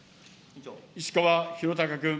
石川博崇君。